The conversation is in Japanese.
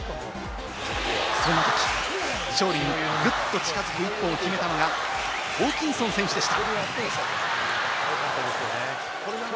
そのとき勝利にぐっと近づく一本を決めたのが、ホーキンソン選手でした。